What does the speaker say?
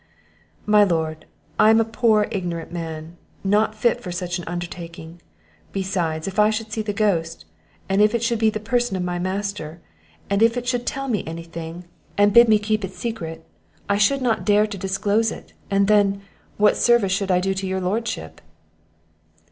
"My lord, I am a poor ignorant old man, not fit for such an undertaking; beside, if I should see the ghost, and if it should be the person of my master, and if it should tell me any thing, and bid me keep it secret, I should not dare to disclose it; and then, what service should I do your lordship?"